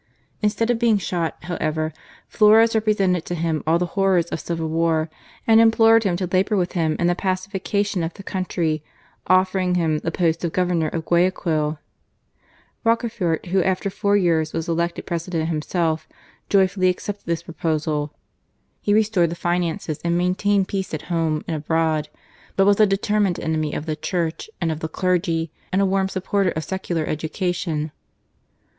Instead of being shot, however, Flores represented to him all the horrors of civil war and implored him to labour with him in the pacification of the country, offering him the post of Governor of Guayaquil. This proposal was joyfully accepted by Rocafuerte, who after four years was elected President himself. He restored the finances and maintained peace at home and abroad, but was a determined enemy of the Church and of the clergy and a warm supporter of secular education.